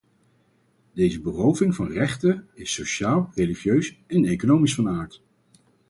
Deze beroving van rechten is sociaal, religieus en economisch van aard.